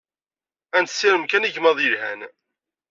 Ad nessirem kan igmaḍ yelhan.